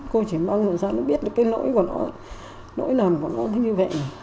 cô chỉ mong là sao nó biết được cái nỗi của nó nỗi lầm của nó như vậy